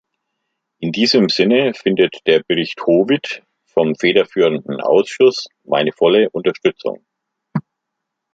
In diesem Sinne findet der Bericht Howitt vom federführenden Ausschuss meine volle Unterstützung.